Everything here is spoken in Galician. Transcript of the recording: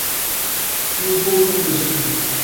Moi pouca pesca.